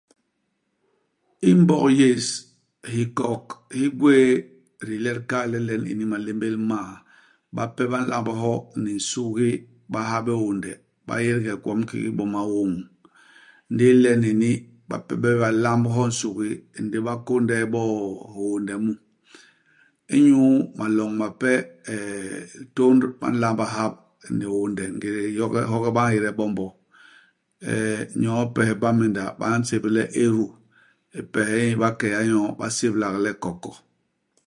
I Mbog yés, hikok hi gwéé, di yé le di kal le ilen ini malémbél m'ma. Bape ba nlamb hyo ni nsugi, ba ha bé hiônde. Ba édge gwom kiki bo maôñ. Ndi ilen ini, bape ba yé ba lamb hyo i nsugi ndi ba kônde bo hiô hiônde mu. Inyu maloñ mape eeh Tônd ba nlamb ihap ni hiônde. Ngélé iyoge ihogi ba ñéde bombo. Eey, nyoo ipes i Bamenda ba nsébél le Eru. Ipes i Bakeya nyoo ba séblak le Koko.